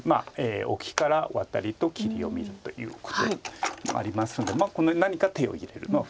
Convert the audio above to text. オキからワタリと切りを見るということもありますんで何か手を入れるのは普通。